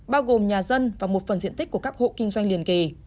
bao gồm nhà dân và một phần diện tích của các hộ kinh doanh liên kỳ